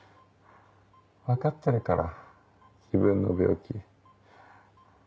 分かってるから自分の病気。